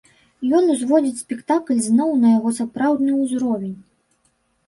Ён узводзіць спектакль зноў на яго сапраўдны ўзровень.